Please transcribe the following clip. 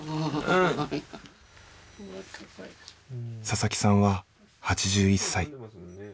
佐々木さんは８１歳。